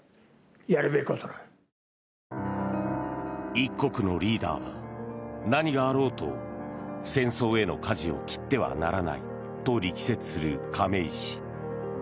一国のリーダーは何があろうと戦争へのかじを切ってはならないと力説する亀井氏。